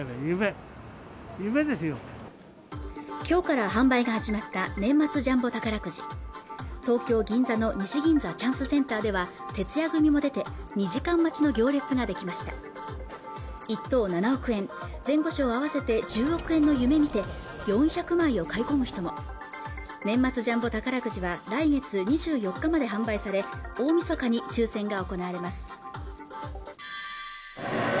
きょうから販売が始まった年末ジャンボ宝くじ東京銀座の西銀座チャンスセンターでは徹夜組も出て２時間待ちの行列ができました１等７億円前後賞合わせて１０億円の夢見て４００枚を買い込む人も年末ジャンボ宝くじは来月２４日まで販売され大みそかに抽選が行われます